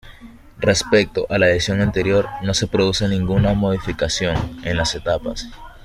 Respecto a la edición anterior no se produce ninguna modificación en las etapas.